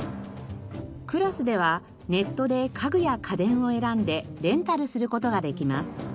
ＣＬＡＳではネットで家具や家電を選んでレンタルする事ができます。